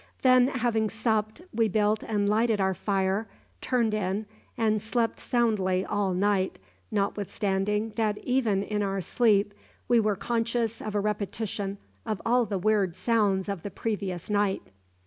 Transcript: Then, having supped, we built and lighted our fire, turned in, and slept soundly all night, notwithstanding that even in our sleep we were conscious of a repetition of all the weird sounds of the previous night.